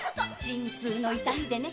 ⁉陣痛の痛みでね